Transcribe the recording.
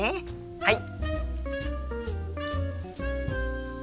はい！